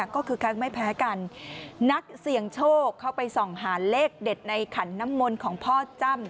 ก็คือคักไม่แพ้กันนักเสี่ยงโชคเข้าไปส่องหาเลขเด็ดในขันน้ำมนต์ของพ่อจ้ำ